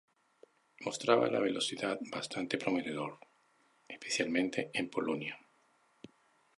Mostraba la velocidad bastante prometedor, especialmente en Polonia.